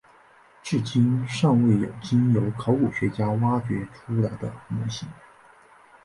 至今尚未有经由考古学家挖掘出来的模型。